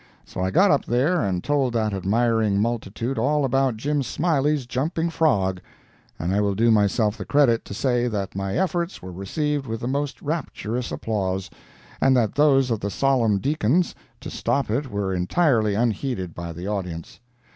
So I got up there and told that admiring multitude all about Jim Smiley's Jumping Frog; and I will do myself the credit to say that my efforts were received with the most rapturous applause, and that those of the solemn deacon's to stop it were entirely unheeded by the audience.